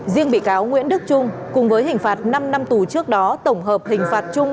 riêng bị cáo nguyễn đức trung cùng với hình phạt năm năm tù trước đó tổng hợp hình phạt chung